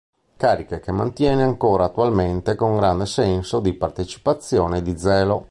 Cariche che mantiene ancora attualmente, con grande senso di partecipazione e di zelo.